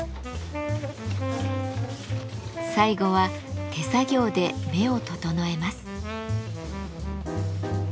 最後は手作業で目を整えます。